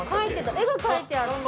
◆絵が描いてあって。